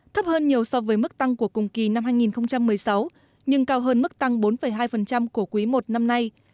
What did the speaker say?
thấp hơn nhiều so với mức tăng của cùng kỳ năm hai nghìn một mươi sáu nhưng cao hơn mức tăng bốn hai của quý i năm nay